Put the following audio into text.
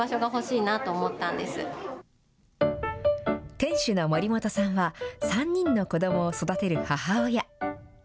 店主の森本さんは、３人の子どもを育てる母親。